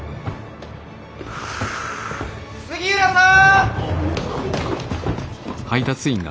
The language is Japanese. ・杉浦さん！